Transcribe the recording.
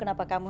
memang begitu p